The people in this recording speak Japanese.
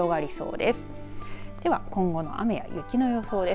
では今後の雨や雪の予想です。